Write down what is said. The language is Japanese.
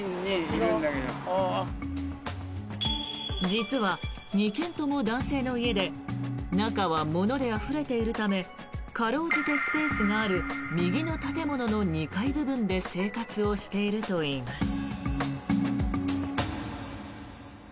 実は２軒とも男性の家で中は物であふれているためかろうじてスペースがある右の建物の２階部分で生活をしているといいます。